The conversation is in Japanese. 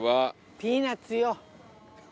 ピーナッツよ！